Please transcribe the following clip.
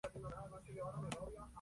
Luego fue Becado por el Instituto Int.